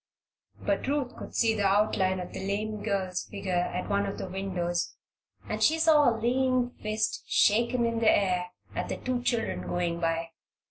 But Ruth could see the outline of the lame girl's figure at one of the windows and she saw a lean fist shaken in the air at the two children going by.